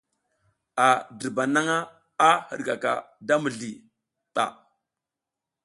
A dirba nang a sa hidkaka da mizli ɓa.